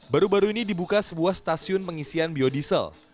baru baru ini dibuka sebuah stasiun pengisian biodiesel